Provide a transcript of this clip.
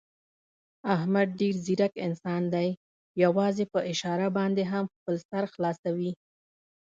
احمد ډېر ځیرک انسان دی، یووازې په اشاره باندې هم خپل سر خلاصوي.